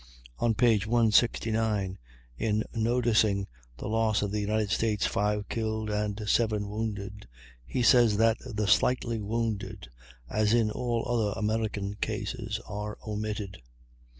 On p. 169, in noticing the loss of the United States, 5 killed and 7 wounded, he says that "the slightly wounded, as in all other American cases, are omitted."